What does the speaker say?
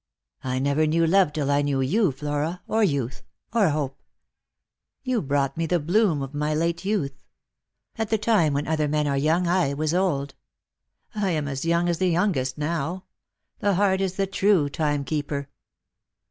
" I never knew love till I knew you, Flora, or youth, or hope. You brought me the bloom of my late youth. At the time when other men are young, I was old. I am as young as the youngest now. The heart is the true timekeeper."